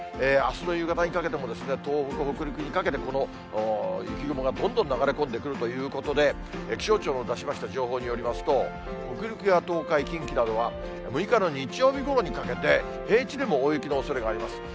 あすの夕方にかけても東北、北陸にかけて、この雪雲がどんどん流れ込んでくるということで、気象庁の出しました情報によりますと、北陸や東海、近畿などは６日の日曜日ごろにかけて、平地でも大雪のおそれがあります。